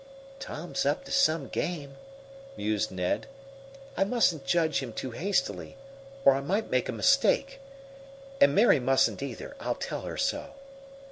"Tom's up to some game," mused Ned. "I mustn't judge him too hastily, or I might make a mistake. And Mary mustn't, either. I'll tell her so."